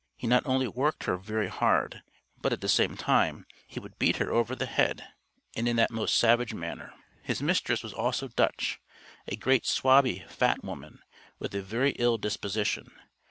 He not only worked her very hard, but, at the same time, he would beat her over the head, and that in the most savage manner. His mistress was also "Dutch," a "great swabby, fat woman," with a very ill disposition.